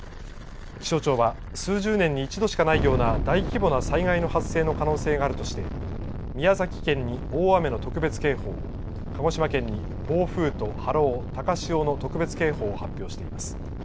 気象庁は数十年に一度しかないような大規模な災害の発生の可能性があるとして、宮崎県に大雨の特別警報を、鹿児島県に暴風と波浪、高潮の特別警報を発表しています。